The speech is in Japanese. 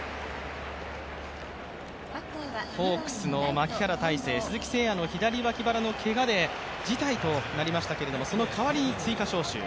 ホークスの牧原大成、鈴木誠也の左脇腹のけがで辞退となりましたけど、その代わりに追加招集。